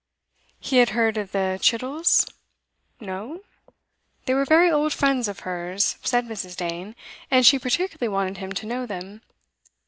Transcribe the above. He had heard of the Chittles? No? They were very old friends of hers, said Mrs. Dane, and she particularly wanted him to know them.